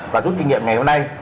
và rút kinh nghiệm ngày hôm nay